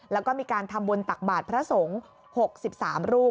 แล้วก็มีการทำบุญตักบาทพระสงฆ์๖๓รูป